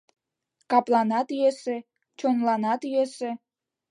Капланат йӧсӧ, чонланат йӧсӧ